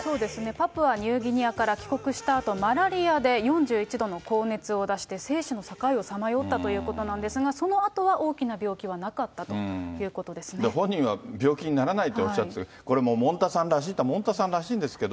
パプアニューギニアから帰国したあと、マラリアで４１度の高熱を出して、生死の境をさまよったということなんですが、そのあとは大きな病本人は病気にならないっておっしゃってて、これももんたさんらしいといえばもんたさんらしいんですけど。